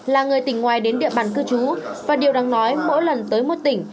là người tỉnh ngoài đến địa bàn cư trú và điều đáng nói mỗi lần tới một tỉnh